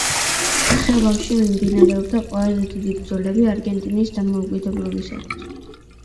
ხეობაში მიმდინარეობდა ყველაზე დიდი ბრძოლები არგენტინის დამოუკიდებლობისათვის.